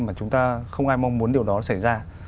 mà chúng ta không ai mong muốn điều đó xảy ra